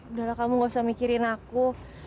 udahlah kamu gak usah mikirin aku